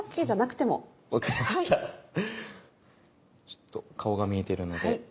ちょっと顔が見えてるので。